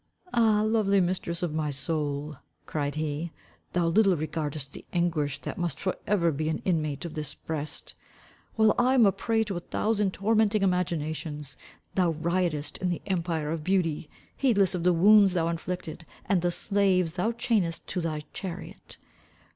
"Ah lovely mistress of my soul," cried he, "thou little regardest the anguish that must for ever be an inmate of this breast! While I am a prey to a thousand tormenting imaginations, thou riotest in the empire of beauty, heedless of the wounds thou inflicted, and the slaves thou chainest to thy chariot.